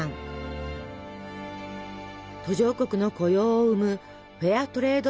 途上国の雇用を生むフェアトレード